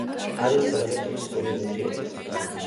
არის ძალზე ტოქსიკური ნივთიერება.